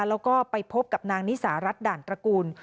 แล้วก็ไปพบกับนางนิสารัฐด่านตระกูล